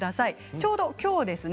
ちょうどきょうですね。